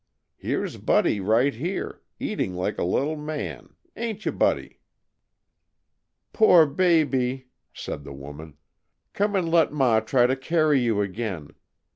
Here's Buddy right here, eating like a little man, ain't you, Buddy?" "Poor baby!" said the woman. "Come and let Ma try to carry you again.